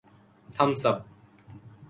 Thumbs up!